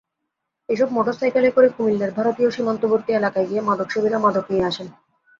এসব মোটরসাইকেলে করে কুমিল্লার ভারতীয় সীমান্তবর্তী এলাকায় গিয়ে মাদকসেবীরা মাদক নিয়ে আসে।